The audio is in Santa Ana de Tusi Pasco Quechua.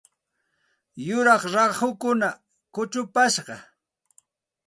Yuraq rahukuna kuchupashqa.